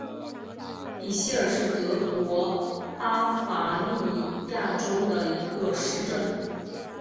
比希尔是德国巴伐利亚州的一个市镇。